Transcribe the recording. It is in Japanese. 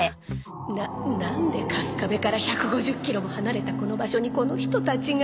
なんで春我部から１５０キロも離れたこの場所にこの人たちが？